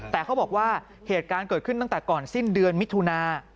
แต่เขาบอกว่าเหตุการณ์เกิดขึ้นตั้งแต่ก่อนสิ้นเดือนมิถุนา